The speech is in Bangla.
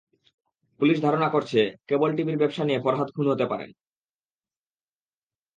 পুলিশ ধারণা করছে, েকব্ল টিভির ব্যবসা নিয়ে ফরহাদ খুন হতে পারেন।